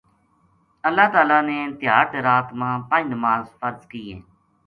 اللہ تعالی نے تیہاڑ تے رات ما پنج نماز فرض کی ہیں۔